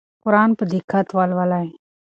قرآن په دقت ولولئ.